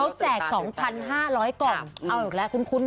เขาแจก๒๕๐๐กล่องเอาอีกแล้วคุ้น